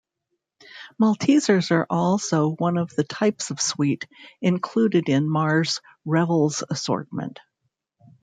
Maltesers are also one of the types of sweet included in Mars's Revels assortment.